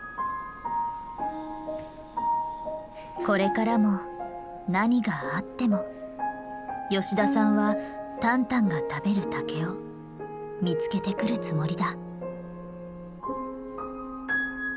これからも何があっても吉田さんはタンタンが食べる竹を見つけてくるつもりだ。